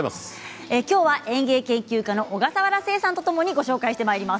今日は園芸研究家の小笠原誓さんとともにご紹介してまいります。